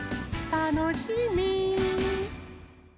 たのしみ。